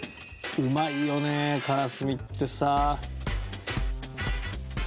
うまいよねカラスミってさ。